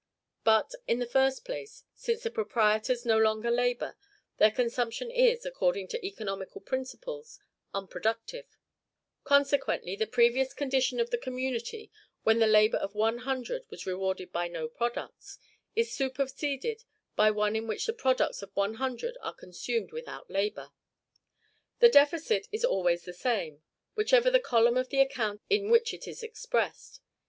But, in the first place, since the proprietors no longer labor, their consumption is, according to economical principles, unproductive; consequently, the previous condition of the community when the labor of one hundred was rewarded by no products is superseded by one in which the products of one hundred are consumed without labor. The deficit is always the same, whichever the column of the account in which it is expressed.